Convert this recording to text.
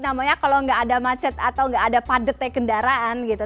namanya kalau nggak ada macet atau nggak ada padatnya kendaraan gitu